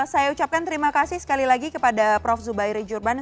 saya ucapkan terima kasih sekali lagi kepada prof zubairi jurban